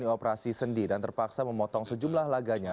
tahun lalu murray menjalani operasi sendi dan terpaksa memotong sejumlah laganya